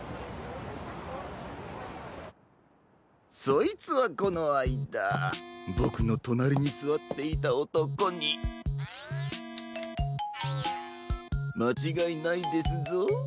そいつはこのあいだボクのとなりにすわっていたおとこにまちがいないですぞ。